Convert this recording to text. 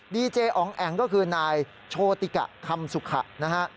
ดีเจอองแอ๋งก็คือนายโชติกะคำสุขะนะฮะ